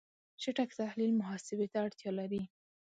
چټک تحلیل محاسبه ته اړتیا لري.